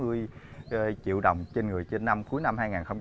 cái tiêu chí là một triệu đồng trên người trên năm cuối năm hai nghìn một mươi chín